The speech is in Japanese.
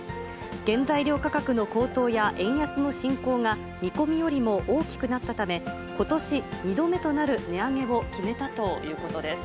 原材料価格の高騰や、円安の進行が見込みよりも大きくなったため、ことし２度目となる値上げを決めたということです。